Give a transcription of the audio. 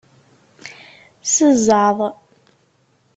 S zzeɛḍ!